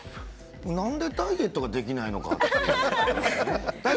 なんでダイエットができないのか。